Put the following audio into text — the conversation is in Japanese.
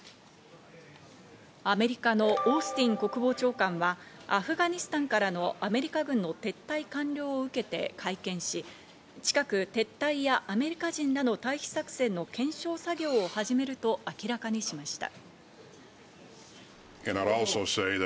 アメリカのオースティン国防長官はアフガニスタンからのアメリカ軍の撤退完了を受けて会見し、近く撤退やアメリカ人らの退避作戦の検証作業を始めると明らかにしました。